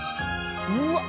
うわっ！